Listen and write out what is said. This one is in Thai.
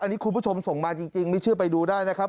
อันนี้คุณผู้ชมส่งมาจริงไม่เชื่อไปดูได้นะครับ